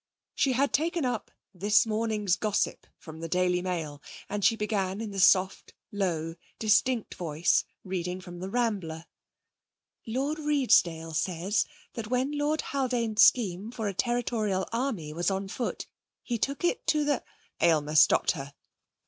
She had taken up 'This Morning's Gossip' from The Daily Mail, and she began in the soft, low, distinct voice reading from The Rambler: 'Lord Redesdale says that when Lord Haldane's scheme for a Territorial Army was on foot he took it to the ' Aylmer stopped her.